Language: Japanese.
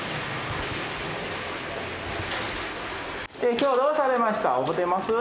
今日はどうされました？